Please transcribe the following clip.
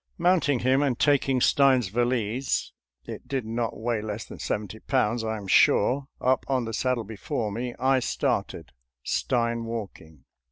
Mount ing him, and taking Stein's valise — ^it did not weigh less than seventy pounds, I am sure — up on the saddle before me, I started, Stein walking.